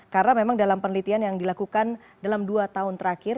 karena memang dalam penelitian yang dilakukan dalam dua tahun terakhir